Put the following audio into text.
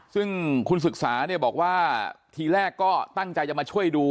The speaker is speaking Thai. ซึ่งคุณศึกษาเนี่ยบอกว่าทีแรกก็ตั้งใจจะมาช่วยดู